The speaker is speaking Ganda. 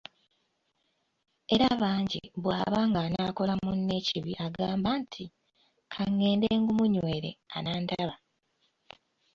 Era bangi bwaba ng'anaakola munne ekibi agamba nti, “Ka ngende ngumunywere, anandaba".